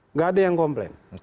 nggak ada yang komplain